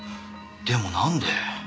でもなんで？